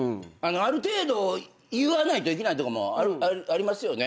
ある程度言わないといけないとかもありますよね。